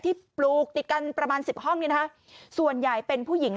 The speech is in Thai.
ปลูกติดกันประมาณสิบห้องเนี่ยนะคะส่วนใหญ่เป็นผู้หญิง